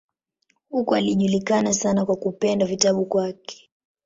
Huko alijulikana sana kwa kupenda vitabu kwake.